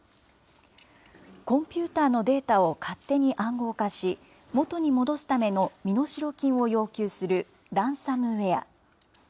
コンピューターのデータを勝手に暗号化し、元に戻すための身代金を要求するランサムウエア。